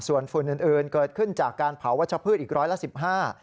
ส่วนฝุ่นอื่นเกิดขึ้นจากการเผาวัชพฤษอีกร้อยละ๑๕